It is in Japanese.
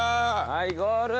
はいゴル！